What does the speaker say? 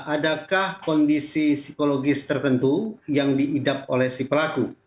adakah kondisi psikologis tertentu yang diidap oleh si pelaku